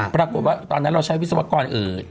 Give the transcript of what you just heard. ปรากฏว่าตอนนั้นเราใช้วิศวกรอื่น